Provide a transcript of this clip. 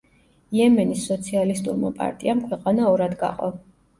იემენის სოციალისტურმა პარტიამ ქვეყანა ორად გაყო.